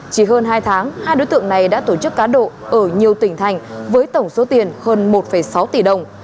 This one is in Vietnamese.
chỉ hơn hai tháng hai đối tượng này đã tổ chức cá độ ở nhiều tỉnh thành với tổng số tiền hơn một sáu tỷ đồng